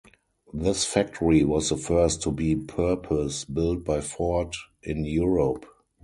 This factory was the first to be purpose built by Ford in Europe.